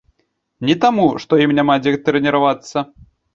Не таму, што ім няма дзе трэніравацца.